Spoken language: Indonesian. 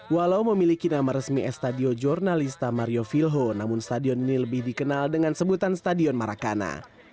walau memiliki nama resmi estadio jornalista mario vilho namun stadion ini lebih dikenal dengan sebutan stadion maracana